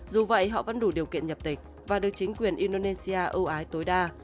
dù vậy họ vẫn đủ điều kiện nhập tịch và được chính quyền indonesia ưu ái tối đa